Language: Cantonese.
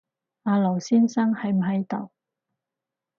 阿劉先生喺唔喺度